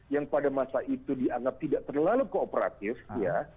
yang pada masa itu dianggap tidak terlalu kooperatif ya